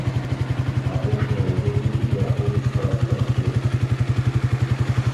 Апошнія ўдзельнікі пераходзяць праз праспект.